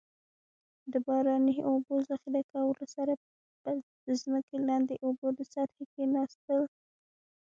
د باراني اوبو ذخیره کولو سره به د ځمکې لاندې اوبو د سطحې کیناستل.